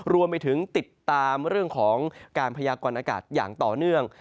รวมไปถึงติดตามเรื่องของการพยากรณากาศอย่างต่อเนื่อง